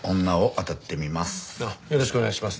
ああよろしくお願いします。